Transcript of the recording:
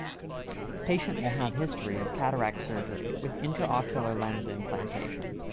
Patient will have history of cataract surgery with intraocular lens implantation.